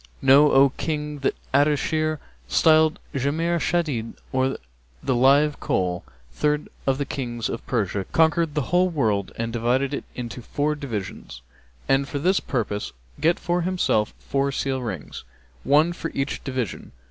And know, O King, that Ardeshir, styled Jamr Shadíd, or the Live Coal, third of the Kings of Persia, conquered the whole world and divided it into four divisions and, for this purpose, get for himself four seal rings, one for each division.